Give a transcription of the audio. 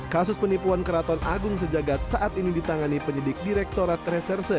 kasus penipuan keraton agung sejagat saat ini ditangani penyidik direktorat reserse